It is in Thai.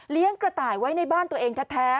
กระต่ายไว้ในบ้านตัวเองแท้